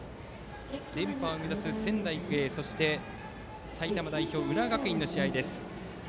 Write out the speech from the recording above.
連覇を目指す仙台育英そして、埼玉代表の浦和学院の試合です。